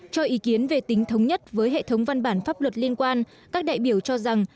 cho ý kiến về tính thống nhất với hệ thống văn bản pháp luật liên quan các đại biểu cho rằng